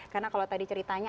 karena kalau tadi ceritanya